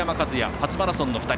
初マラソンの２人。